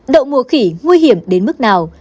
đội mùa khỉ nguy hiểm đến mức nào